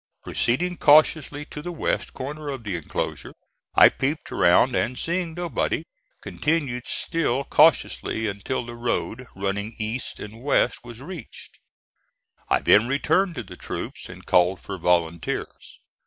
Proceeding cautiously to the west corner of the enclosure, I peeped around and seeing nobody, continued, still cautiously, until the road running east and west was reached. I then returned to the troops, and called for volunteers.